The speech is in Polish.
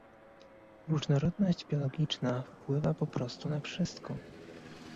Różnorodność biologiczna wpływa po prostu na wszystko